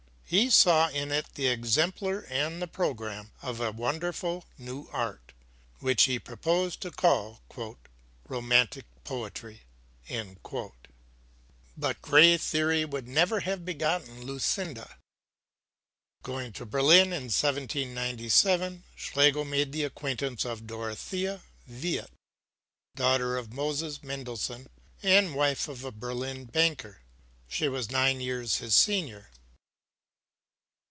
He saw in it the exemplar and the program of a wonderful new art which he proposed to call "Romantic Poetry." But gray theory would never have begotten Lucinda. Going to Berlin in 1797, Schlegel made the acquaintance of Dorothea Veit, daughter of Moses Mendelsohn and wife of a Berlin banker. She was nine years his senior.